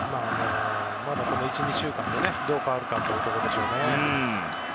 まだ１２週間でどう変わるかというところでしょうね。